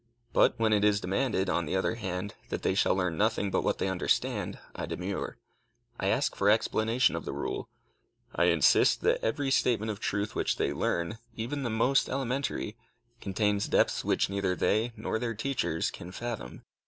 But when it is demanded, on the other hand, that they shall learn nothing but what they understand, I demur. I ask for explanation of the rule. I insist that, every statement of truth which they learn, even the most elementary, contains depths which neither they nor their teachers can fathom.